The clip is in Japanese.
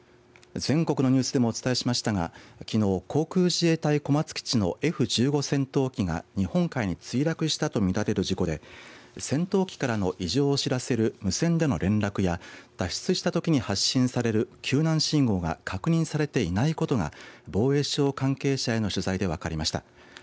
全国のニュースでもお伝えしましたがきのう、航空自衛隊小松基地のＦ１５戦闘機が日本海に墜落したとみられる事故で戦闘機からの異常を知らせる無線での連絡や脱出したときに発信される救難信号が確認されていないことが防衛省関係者への取材で分かりました。